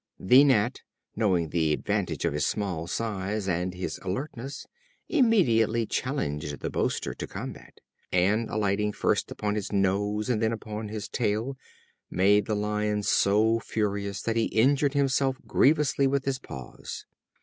The Gnat, knowing the advantage of his small size, and his alertness, immediately challenged the boaster to combat, and alighting first upon his nose and then upon his tail, made the Lion so furious that he injured himself grievously with his paws.